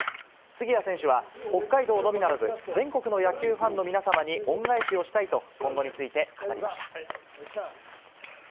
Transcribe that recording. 杉谷選手は、北海道のみならず、全国の野球ファンの皆様に恩返しをしたいと、今後について語りました。